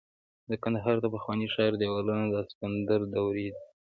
د کندهار د پخواني ښار دیوالونه د الکسندر دورې دي